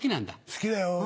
好きだよ。